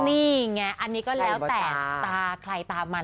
นี่ไงอันนี้ก็แล้วแต่ตาใครตามัน